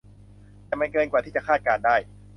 แต่มันเกินกว่าที่จะคาดการณ์ได้